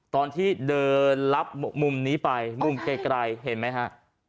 ตอนที่เดินลับมุมนี้ไปมุมไกลเห็นไหมฮะ